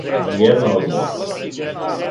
Ни једна од њих.